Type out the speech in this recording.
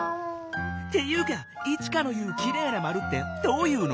っていうかイチカの言う「きれいなまる」ってどういうの？